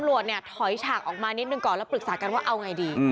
ตำรวจเนี่ยถอยฉากออกมานิดหนึ่งก่อนแล้วปรึกษากันว่าเอาไงดี